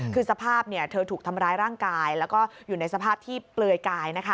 คือสภาพเธอถูกทำร้ายร่างกายแล้วก็อยู่ในสภาพที่เปลือยกาย